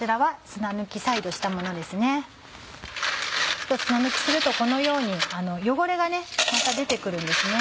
砂抜きするとこのように汚れがまた出て来るんですね。